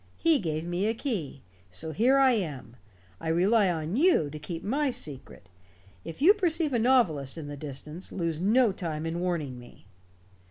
He gave me a key. So here I am. I rely on you to keep my secret. If you perceive a novelist in the distance, lose no time in warning me."